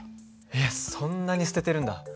えっそんなに捨ててるんだ。